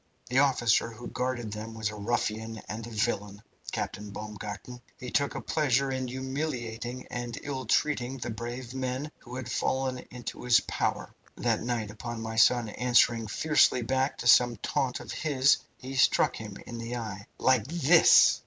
The officer who guarded them was a ruffian and a villain, Captain Baumgarten. He took a pleasure in humiliating and ill treating the brave men who had fallen into his power. That night upon my son answering fiercely back to some taunt of his, he struck him in the eye, like this!"